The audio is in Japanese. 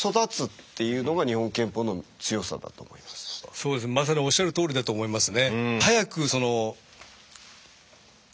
そうですねまさにおっしゃるとおりだと思いますね。